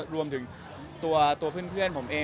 รวมถึงตัวเพื่อนผมเอง